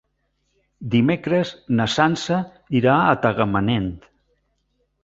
Dimecres na Sança irà a Tagamanent.